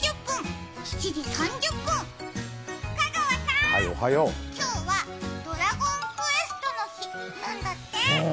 ７時３０分、７時３０分、香川さん、今日はドラゴンクエストの日なんだって。